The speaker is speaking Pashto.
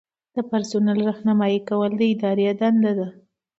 د پرسونل رہنمایي کول د ادارې دنده ده.